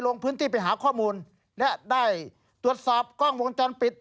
ลงพื้นที่ไปหาข้อมูลและได้ตรวจสอบกล้องวงจรปิด